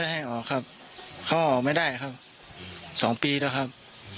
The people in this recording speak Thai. ให้ออกไม่ได้ครับ๒ปีแล้วครับ